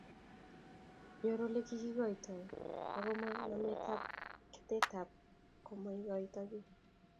Nyoru Ole kiketitoi ago mo nametab ketetab komaikoito kiy